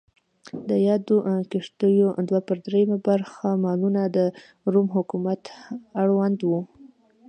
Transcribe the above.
د یادو کښتیو دوه پر درېیمه برخه مالونه د روم حکومت اړوند و.